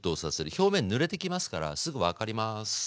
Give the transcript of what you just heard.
表面ぬれてきますからすぐ分かります。